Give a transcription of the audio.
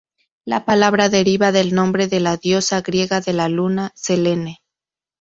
La palabra deriva del nombre de la diosa griega de la Luna, Selene.